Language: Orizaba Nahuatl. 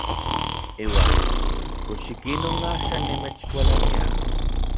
Iuan ¿kox ikinon axan nimechkualania?